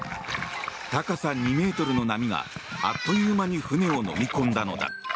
高さ２ｍの波が、あっという間に船をのみ込んだのだ。